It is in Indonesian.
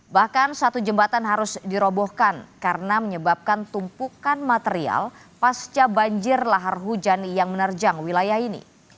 bahkan satu jembatan harus dirobohkan karena menyebabkan tumpukan material pasca banjir lahar hujan yang menerjang wilayah ini